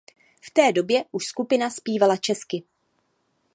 V té době už skupina zpívala česky.